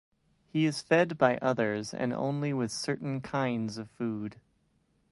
He is fed by others, and only with certain kinds of food.